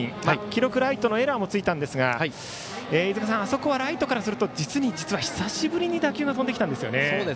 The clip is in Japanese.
記録、ライトのエラーもついたんですが飯塚さんあそこはライトからすると久しぶりに打球が飛んできたんですよね。